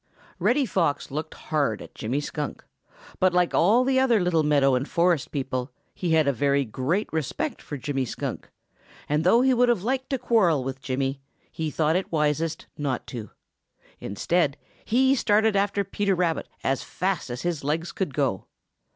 Reddy Fox looked hard at Jimmy Skunk, but like all the other little meadow and forest people, he has a very great respect for Jimmy Skunk, and though he would have liked to quarrel with Jimmy, he thought it wisest not to. Instead, he started after Peter Rabbit as fast as his legs could go.